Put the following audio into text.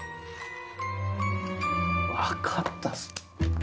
分かったぞ。